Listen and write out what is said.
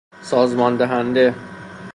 سازمان دهنده